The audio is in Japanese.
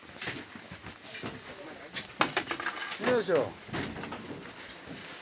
よいしょ。